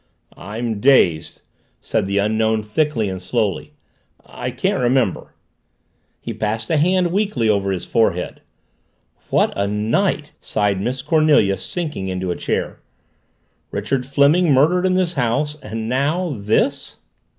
"I'm dazed!" said the Unknown thickly and slowly. "I can't remember." He passed a hand weakly over his forehead. "What a night!" sighed Miss Cornelia, sinking into a chair. "Richard Fleming murdered in this house and now this!"